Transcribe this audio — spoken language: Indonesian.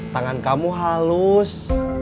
tangan kamu halus